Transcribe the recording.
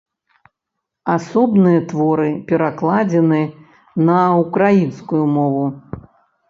Асобныя творы перакладзены на ўкраінскую мову.